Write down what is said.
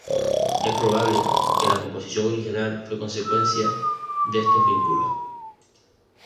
Es probable que la composición original fue consecuencia de estos vínculos.